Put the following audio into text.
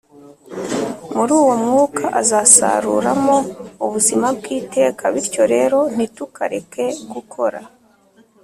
muri uwo mwuka azasaruramo ubuzima bw iteka Bityo rero ntitukareke gukora